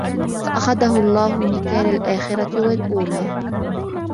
فأخذه الله نكال الآخرة والأولى